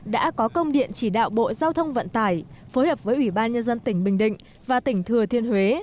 đã có công điện chỉ đạo bộ giao thông vận tải phối hợp với ủy ban nhân dân tỉnh bình định và tỉnh thừa thiên huế